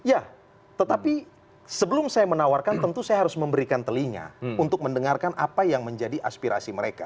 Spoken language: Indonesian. ya tetapi sebelum saya menawarkan tentu saya harus memberikan telinga untuk mendengarkan apa yang menjadi aspirasi mereka